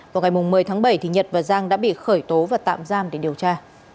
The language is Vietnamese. vào ngày một mươi tháng bảy nhật và giang đã bị khởi tố và tạm giam để điều tra